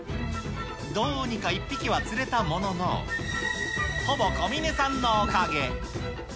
どうにか１匹は釣れたものの、ほぼ小峰さんのおかげ。